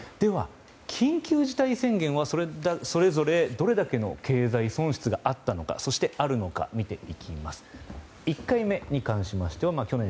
緊急事態宣言がどれだけの経済損失があったのかそしてあるのか見ていきたいと思います。